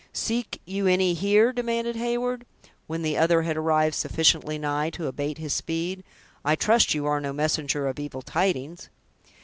"Seek you any here?" demanded Heyward, when the other had arrived sufficiently nigh to abate his speed; "I trust you are no messenger of evil tidings?"